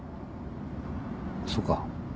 そうか